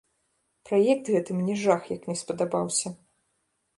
Праект гэты мне жах як не спадабаўся.